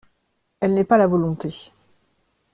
Elle n’est pas la volonté.